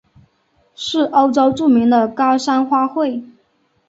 是欧洲著名的高山花卉。